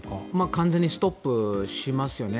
完全にストップしますよね。